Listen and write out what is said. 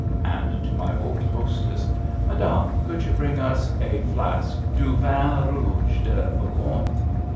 and to my old hostess, "Madame, could you bring us a flask du vin rouge de Bourgogne?"